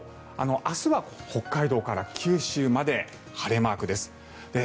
明日は北海道から九州まで晴れマークです。